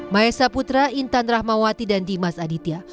maesa putra intan rahmawati dan dimas aditya